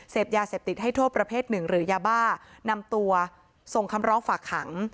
ยาเสพติดให้โทษประเภทหนึ่งหรือยาบ้านำตัวส่งคำร้องฝากขัง